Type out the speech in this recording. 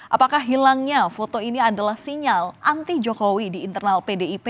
apakah hilangnya foto ini adalah sinyal anti jokowi di internal pdip